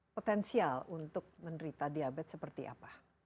potensial untuk menderita diabetes